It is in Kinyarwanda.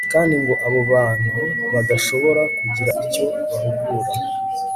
kandi ngo abo bantu badashobora kugira icyo bahagura